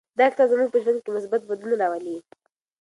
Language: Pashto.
دا کتاب زموږ په ژوند کې مثبت بدلون راولي.